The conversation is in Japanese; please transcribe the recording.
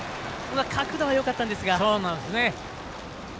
角度はよかったんですが。